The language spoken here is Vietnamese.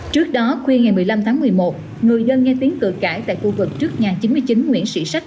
trước đó khuya ngày một mươi năm tháng một mươi một người dân nghe tiếng cử cãi tại khu vực trước nhà chín mươi chín nguyễn sĩ sách